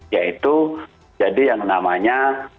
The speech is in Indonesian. yaitu jadi yang namanya